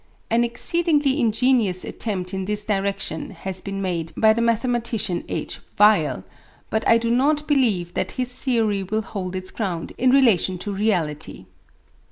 An exceedingly ingenious attempt in this direction has been made by the mathematician H. Weyl; but I do not believe that his theory will hold its ground in relation to reality.